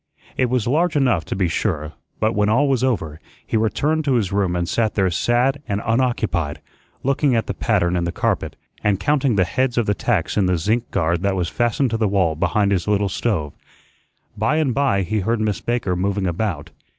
It was large enough, to be sure, but when all was over, he returned to his room and sat there sad and unoccupied, looking at the pattern in the carpet and counting the heads of the tacks in the zinc guard that was fastened to the wall behind his little stove. By and by he heard Miss Baker moving about.